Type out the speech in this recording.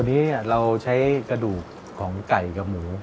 อันนี้เราใช้กระดูกของไก่กับหมู